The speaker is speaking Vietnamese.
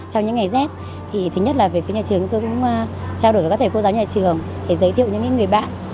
trong những ngày rét thứ nhất là về phía nhà trường chúng tôi cũng trao đổi với các thầy cô giáo nhà trường để giới thiệu những người bạn